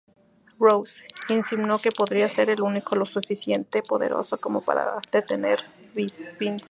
Rose, insinuó que podría ser el único lo suficientemente poderoso como para detener Bison.